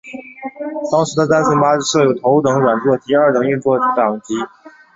当时的单层巴士设有头等软座及二等硬座两级。